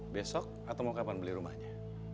besok atau mau kapan beli rumahnya